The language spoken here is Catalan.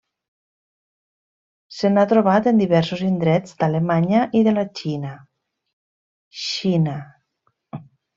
Se n'ha trobat en diversos indrets d'Alemanya i de la Xina.